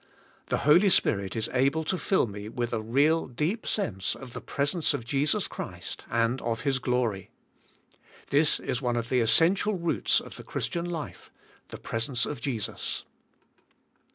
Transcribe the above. The Holy Spirit is able to fill me with a real deep sense of the presence of Jesus Christ and of His glory. This is one of the essential roots of the Christian life, the presence of Jesus.